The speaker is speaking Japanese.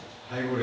はい。